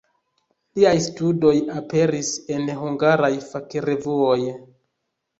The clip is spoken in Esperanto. Liaj studoj aperis en hungaraj fakrevuoj.